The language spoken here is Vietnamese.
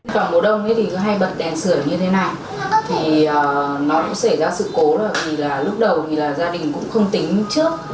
trong mùa đông thì hay bật đèn sửa như thế này thì nó cũng xảy ra sự cố là lúc đầu gia đình cũng không tính trước